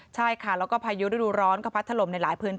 ใช่ค่ะแล้วก็พายุฤดูร้อนก็พัดถล่มในหลายพื้นที่